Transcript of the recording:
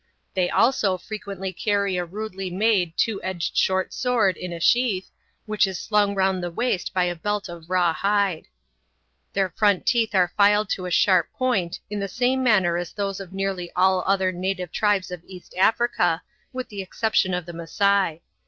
They also frequently carry a rudely made two edged short sword in a sheath, which is slung round the waist by a belt of raw hide. Their front teeth are filed to a sharp point in the same manner as those of nearly all the other native tribes of East Africa, with the exception of the Masai.